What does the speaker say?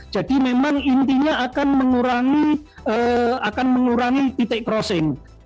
jadi memang intinya akan mengurangi titik crossing